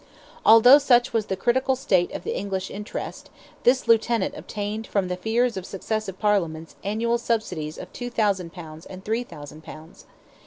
Although such was the critical state of the English interest, this lieutenant obtained from the fears of successive Parliaments annual subsidies of 2,000 pounds and 3,000 pounds.